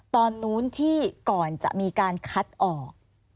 ตอนนู้นที่ก่อนจะมีการคัดออก